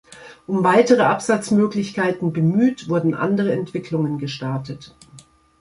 Um weitere Absatzmöglichkeiten bemüht, wurden andere Entwicklungen gestartet.